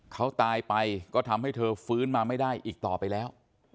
เขาตายไปก็ทำให้เธอฟื้นมาไม่ได้อีกต่อไปแล้ว